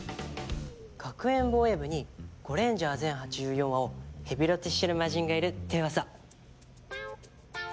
学園防衛部に『ゴレンジャー』全８４話をヘビロテしてる魔人がいるって噂。